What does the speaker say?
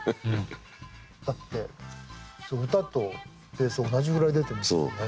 だって歌とベース同じぐらい出てますからね。